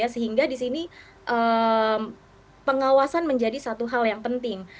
sehingga di sini pengawasan menjadi satu hal yang penting